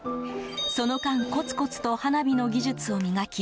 その間、コツコツと花火の技術を磨き